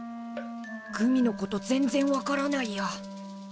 グミのこと全然分からないや。